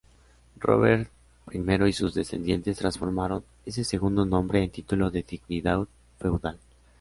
Robert I y sus descendientes transformaron ese segundo nombre en título de dignidad feudal.